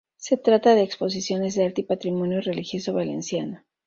Se trata de exposiciones de arte y patrimonio religioso valenciano.